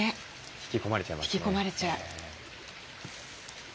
引き込まれちゃう。